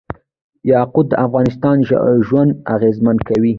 یاقوت د افغانانو ژوند اغېزمن کوي.